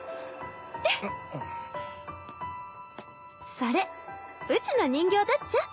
それうちの人形だっちゃ。